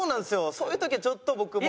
そういう時はちょっと僕も。